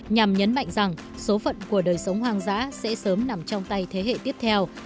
nhằm nhấn mạnh rằng số phận của đời sống hoang dã sẽ sớm nằm trong tay thế hệ tiếp theo